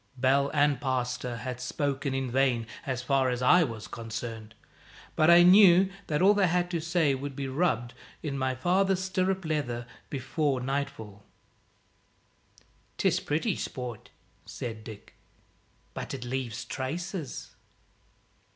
Bell and pastor had spoken in vain, as far as I was concerned; but I knew that all they had to say would be rubbed in with my father's stirrup leather before nightfall. "'Tis pretty sport," said Dick, "but it leaves traces."